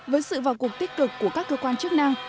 với sự vào cuộc tích cực của các cơ quan chức năng